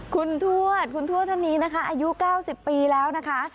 คุณทวดคุณทวดท่านนี้นะคะอายุ๙๐ปีแล้วนะคะ